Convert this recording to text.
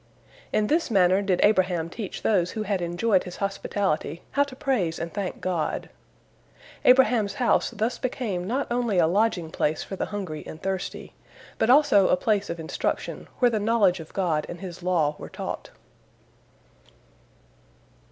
In this manner did Abraham teach those who had enjoyed his hospitality how to praise and thank God. Abraham's house thus became not only a lodging place for the hungry and thirsty, but also a place of instruction where the knowledge of God and His law were taught.